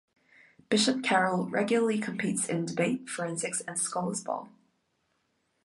Bishop Carroll regularly competes in Debate, Forensics, and Scholar's Bowl.